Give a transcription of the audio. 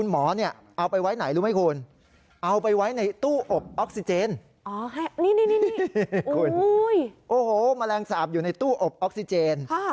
มาขึ้นมือหน่อย